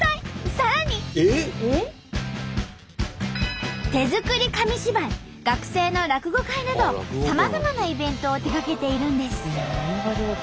さらに手作り紙芝居学生の落語会などさまざまなイベントを手がけているんです。